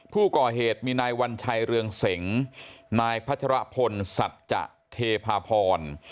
ผู้ก่อเหตุมีนายวัญชัยเรืองเสงนายพัชรพลสัจจะเทพาพร